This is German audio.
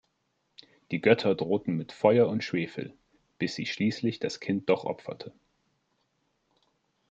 Die Götter drohten mit Feuer und Schwefel, bis sie schließlich das Kind doch opferte.